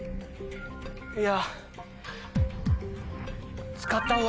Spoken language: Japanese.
いや。